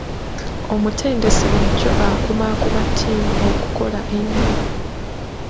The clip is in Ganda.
Omutendesi bulijjo akumaakuma ttiimu okukola ennyo.